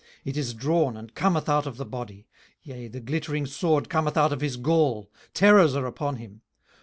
18:020:025 It is drawn, and cometh out of the body; yea, the glittering sword cometh out of his gall: terrors are upon him.